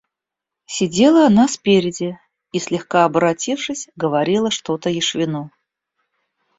Сидела она спереди и, слегка оборотившись, говорила что-то Яшвину.